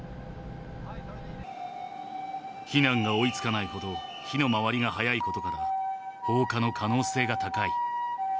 避難が追いつかないほど、火の回りが早いことから、放火の可能性が高い。